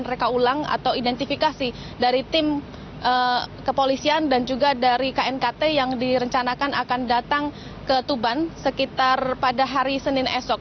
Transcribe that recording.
dan mereka ulang atau identifikasi dari tim kepolisian dan juga dari knkt yang direncanakan akan datang ke tuban sekitar pada hari senin esok